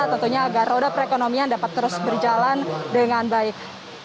tentunya agar roda perekonomian dapat terus berjalan dengan baik